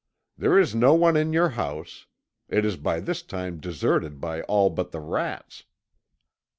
There is no one in your house. It is by this time deserted by all but the rats."